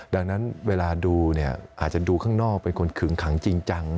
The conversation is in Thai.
ดังนั้นเวลาดูเนี่ยอาจจะดูข้างนอกเป็นคนขึงขังจริงจัง